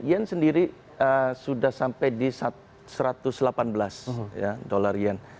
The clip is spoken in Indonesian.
yen sendiri sudah sampai di satu ratus delapan belas dolar yen